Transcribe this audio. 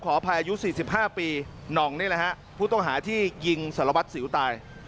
ขออภัยอายุ๔๕ปีหน่องนี่แหละฮะผู้ต้องหาที่ยิงสารวัตรสิวตาย